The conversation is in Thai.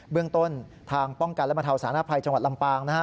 เรื่องต้นทางป้องกันและบรรเทาสารภัยจังหวัดลำปางนะฮะ